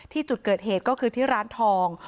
ที่จุดเกิดเหตุก็คือที่ร้านทอง